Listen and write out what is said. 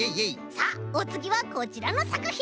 さあおつぎはこちらのさくひん！